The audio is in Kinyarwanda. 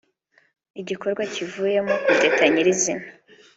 igikorwa kivuyemo kudeta nyirizina